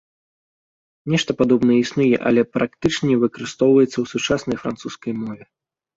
Нешта падобнае існуе, але практычна не выкарыстоўваецца ў сучаснай французскай мове.